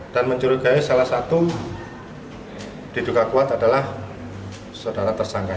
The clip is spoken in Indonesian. mencurigai salah satu diduga kuat adalah saudara tersangka